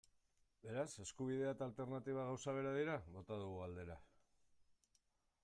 Beraz, eskubidea eta alternatiba gauza bera dira?, bota dugu galdera.